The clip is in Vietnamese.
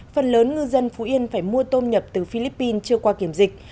phần lớn ngư dân phú yên phải mua tôm nhập từ philippines chưa qua kiểm dịch